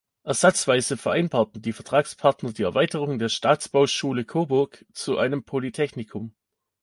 Ersatzweise vereinbarten die Vertragspartner die Erweiterung der Staatsbauschule Coburg zu einem Polytechnikum.